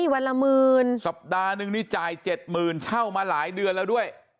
วันละหมื่นสัปดาห์นึงนี่จ่าย๗๐๐เช่ามาหลายเดือนแล้วด้วย